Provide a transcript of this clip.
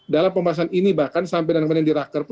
dalam pembahasan ini bahkan sampai dan kemudian di raker